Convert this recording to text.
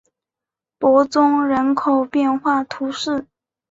伯宗人口变化图示